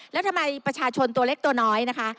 รัฐบาลประชาชนตัวเล็กตัวน้อยนะคะ